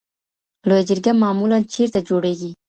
لویه جرګه معمولا چېرته جوړیږي؟